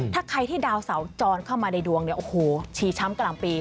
ถ้าใครที่ดาวเสาจรเข้ามาในดวงเนี่ยโอ้โหชีช้ำกลางปี